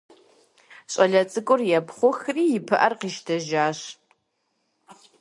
Щӏалэ цӏыкӏур епхъухри и пыӏэр къищтэжащ.